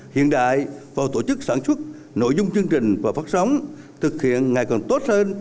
hiện đại vào tổ chức sản xuất nội dung chương trình và phát sóng thực hiện ngày càng tốt hơn